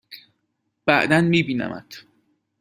بعدا می بینمت!